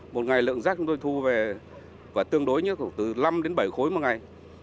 một ngày lượng rác chúng tôi thu về và tương đối từ năm đến bảy khối một ngày